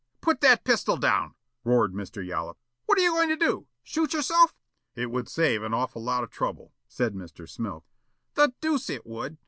"Put that pistol down!" roared Mr. Yollop. "What are you going to do? Shoot yourself?" "It would save an awful lot of trouble," said Mr. Smilk. "The deuce it would!